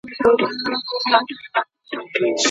په اتڼ کي خاموشي نه وي.